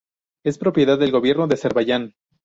Es propiedad del Gobierno de Azerbaiyán.